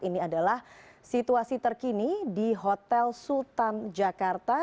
ini adalah situasi terkini di hotel sultan jakarta